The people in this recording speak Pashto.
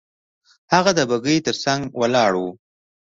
هغه د بګۍ تر څنګ ولاړ وو.